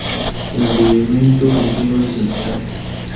El seguimiento continuo es esencial.